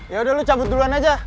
yaudah lu cabut duluan aja